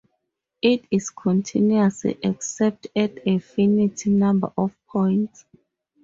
It is continuous except at a finite number of points.